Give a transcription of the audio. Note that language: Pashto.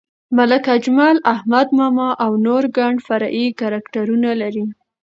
ملک اجمل، احمد ماما او نور ګڼ فرعي کرکټرونه لري.